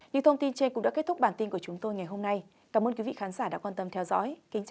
những thông tin trên cũng đã kết thúc bản tin của chúng tôi ngày hôm nay cảm ơn quý vị khán giả đã quan tâm theo dõi kính chào và hẹn gặp lại